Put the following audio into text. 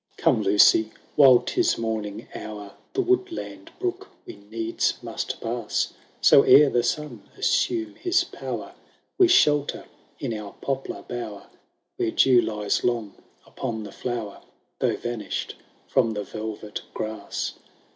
I. CuMK, Lucy ! while 'tis morniDg hour. The woodland brook we needs must puss *, So, ere the sun assume his power, We shelter in our poplar bower, AVhere dew lies long upon the flower. Though vanish^ from the velvet grass.